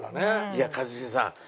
いや一茂さん